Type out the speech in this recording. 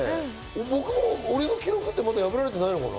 俺の記録ってまだ破られてないのかな？